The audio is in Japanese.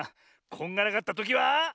こんがらがったときは。